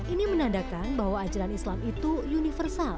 ini menandakan bahwa ajaran islam itu universal